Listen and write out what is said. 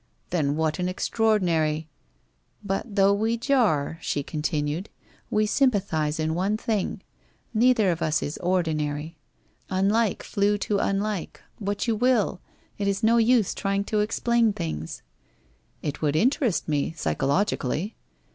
' Then what an extraordinary '' But though we jar,' she continued, * we sympathize in one thing. Neither of us is ordinary. Unlike flew to unlike — what you will! It is no use trying to explain things !'' It would interest me psychologically.'